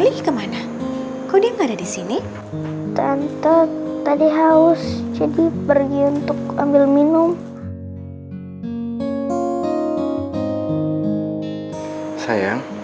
sampai jumpa di video selanjutnya